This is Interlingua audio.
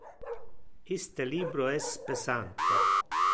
Iste libro es pesante.